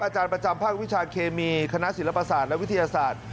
อาจารย์ประจำภาควิชาเคมีคณะศิลปศาสตร์และวิทยาศาสตร์